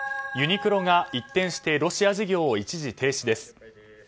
ユニクロが一転してロシア事業を一時停止です。